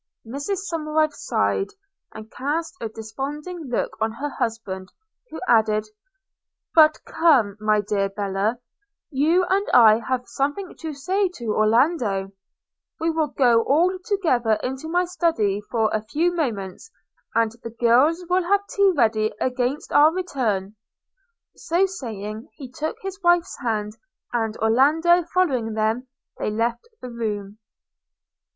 Mrs Somerive sighed, and cast a desponding look on her husband, who added, 'But, come, my dear Bella, you and I have something to say to Orlando – we will go all together into my study for a few moments, and the girls will have tea ready against our return.' – So, saying, he took his wife's hand, and, Orlando following them, they left the room.